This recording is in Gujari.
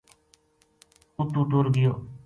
اُتو ٹر گیو